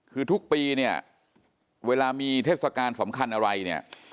คือทุกปีเนี่ยเวลามีเทศกาลสำคัญอะไรเนี่ย